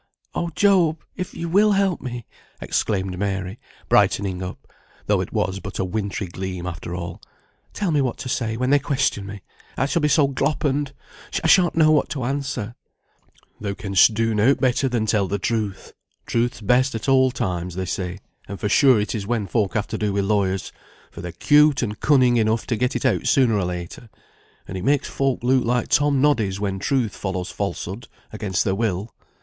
"Oh, Job! if you will help me," exclaimed Mary, brightening up (though it was but a wintry gleam after all), "tell me what to say, when they question me; I shall be so gloppened, I shan't know what to answer." [Footnote 46: "Gloppened," terrified.] "Thou canst do nought better than tell the truth. Truth's best at all times, they say; and for sure it is when folk have to do with lawyers; for they're 'cute and cunning enough to get it out sooner or later, and it makes folk look like Tom Noddies, when truth follows falsehood, against their will."